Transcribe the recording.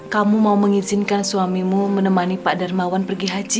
kamu mau mengizinkan suamimu menemani pak darmawan pergi haji